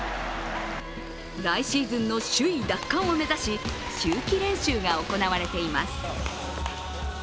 来シーズンの首位奪還を目指し、秋季練習が行われています。